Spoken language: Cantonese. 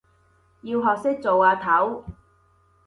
要學識做阿頭